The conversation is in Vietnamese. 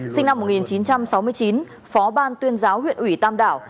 sinh năm một nghìn chín trăm sáu mươi chín phó ban tuyên giáo huyện ủy tam đảo